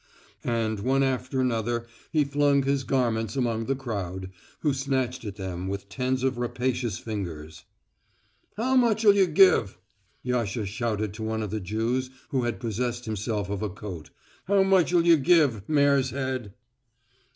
And one after another he flung his garments among the crowd, who snatched at them with tens of rapacious fingers. "How much'll you give?" Yasha shouted to one of the Jews who had possessed himself of a coat "how much'll you give, mare's head?"